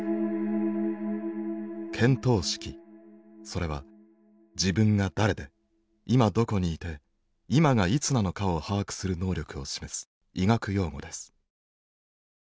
それは自分が誰で今どこにいて今がいつなのかを把握する能力を示す医学用語です。